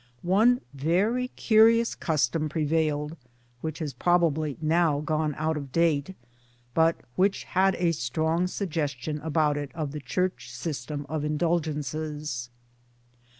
One very curious custom prevailed, which has probably now gone out of date, but which had a strong suggestion about it of the Church system of Indulgences.